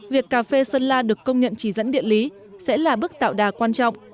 việc cà phê sơn la được công nhận chỉ dẫn địa lý sẽ là bước tạo đà quan trọng